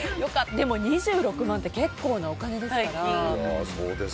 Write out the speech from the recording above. でも２６万って結構なお金ですから。